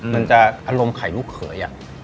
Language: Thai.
มันจะอารมณ์ไข่ลูกเขย